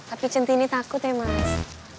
api centini takut ya mas